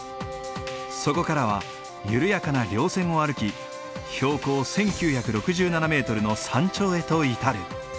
そこからは緩やかな稜線を歩き標高１，９６７メートルの山頂へと至る。